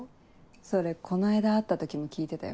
それこの間会った時も聞いてたよ。